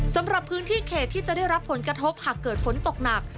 สำหรับพื้นที่เขตที่จะได้รับผลกระทบหากเกิดฝนตกหนัก